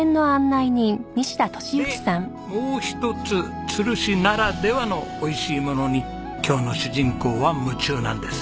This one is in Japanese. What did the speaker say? でもう一つ都留市ならではの美味しいものに今日の主人公は夢中なんです。